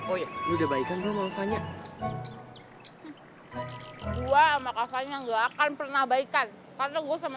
oh ya udah baiknya mau banyak gua makasih nggak akan pernah baikkan karena gue sama